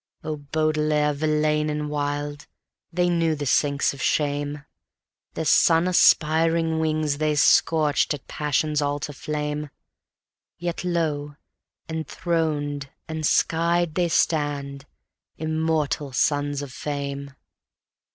Oh Baudelaire, Verlaine and Wilde, they knew the sinks of shame; Their sun aspiring wings they scorched at passion's altar flame; Yet lo! enthroned, enskied they stand, Immortal Sons of Fame.